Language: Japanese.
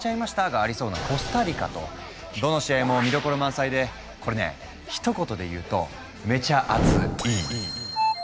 がありそうなコスタリカとどの試合も見どころ満載でこれねひと言で言うと「めちゃアツＥ」！